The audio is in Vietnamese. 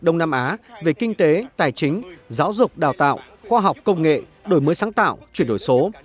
đông nam á về kinh tế tài chính giáo dục đào tạo khoa học công nghệ đổi mới sáng tạo chuyển đổi số